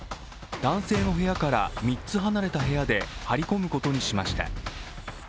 男性の部屋から３つ離れた部屋で張り込むことにしました。